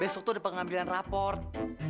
besok tuh ada pengambilan raport